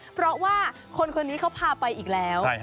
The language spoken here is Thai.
เพราะว่าคนคนนี้เขาพาไปอีกแล้ว